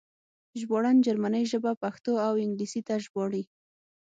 ژباړن جرمنۍ ژبه پښتو او انګلیسي ته ژباړي